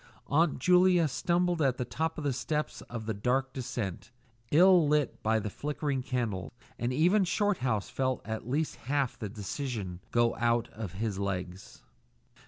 Aunt Julia stumbled at the top step of the dark descent, ill lit by the flickering candle, and even Shorthouse felt at least half the decision go out of his legs.